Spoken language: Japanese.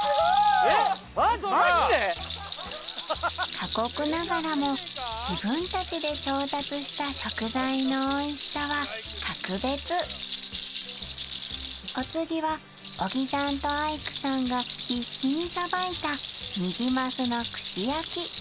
・過酷ながらも自分たちで調達した食材のおいしさは格別お次は小木さんとアイクさんが必死にさばいたニジマスの串焼き。